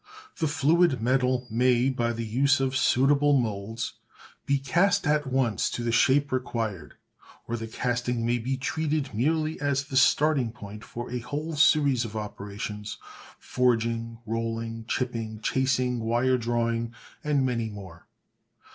The fluid metal may, by the use of suitable moulds, be cast at once to the shape required, or the casting may be treated merely as the starting point for a whole series of operations forging, rolling, chipping, chasing, wire drawing, and many more.